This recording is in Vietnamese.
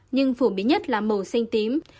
nhưng phủ biến nhất là màu xanh tím